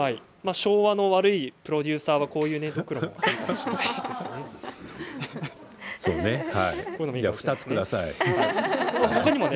昭和の悪いプロデューサーはこういうどくろのものもね。